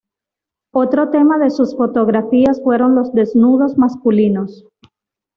Otro tema de sus fotografías fueron los desnudos masculinos.